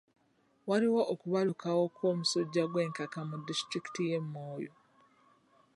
Waliwo okubalukawo kw'omusujja gw'enkaka mu disitulikiti y'e Moyo.